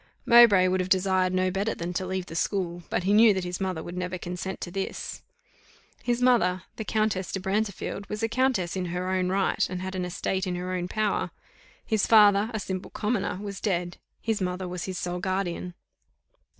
Mowbray would have desired no better than to leave the school, but he knew that his mother would never consent to this. His mother, the Countess de Brantefield, was a Countess in her own right, and had an estate in her own power; his father, a simple commoner, was dead, his mother was his sole guardian.